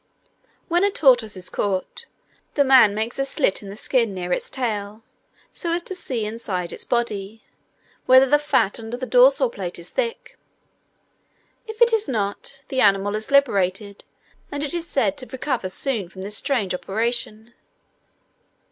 When a tortoise is caught, the man makes a slit in the skin near its tail, so as to see inside its body, whether the fat under the dorsal plate is thick. If it is not, the animal is liberated and it is said to recover soon from this strange operation.